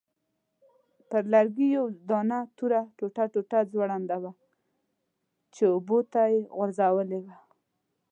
پر لرګي یوه درنه توره ټوټه ځوړنده وه چې اوبو ته یې غورځولې وه.